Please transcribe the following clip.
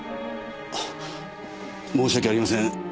あ申し訳ありません。